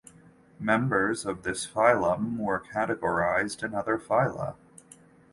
Members of this phylum were categorized in other phyla.